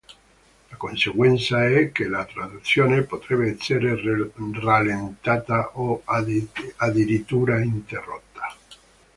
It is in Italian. La conseguenza è che la traduzione potrebbe essere rallentata o addirittura interrotta.